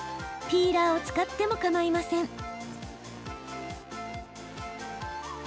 ピーラーを使ってもかまいません。